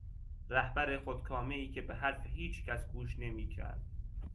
رهبر خودکامهای که به حرف هیچکس گوش نمیکرد